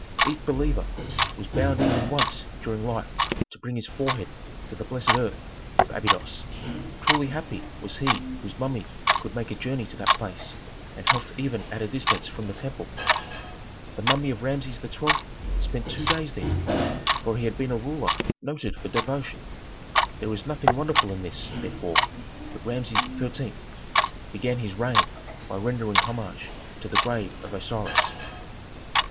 Each believer was bound even once during life to bring his forehead to the blessed earth of Abydos. Truly happy was he whose mummy could make a journey to that place and halt even at a distance from the temple. The mummy of Rameses XII. spent two days there; for he had been a ruler noted for devotion. There is nothing wonderful in this, therefore, that Rameses XIII. began his reign by rendering homage to the grave of Osiris.